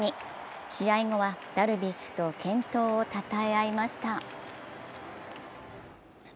試合後はダルビッシュと健闘をたたえ合いました。